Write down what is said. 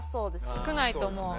少ないと思う。